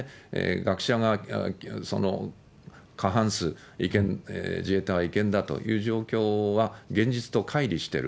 学者が過半数、違憲、自衛隊は違憲だという状況は現実とかい離している。